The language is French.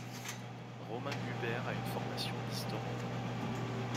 Romain Gubert a une formation d'historien.